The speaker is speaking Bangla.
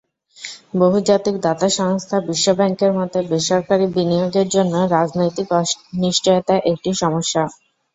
বহুজাতিক দাতা সংস্থা বিশ্বব্যাংকের মতে, বেসরকারি বিনিয়োগের জন্য রাজনৈতিক অনিশ্চয়তা একটি সমস্যা।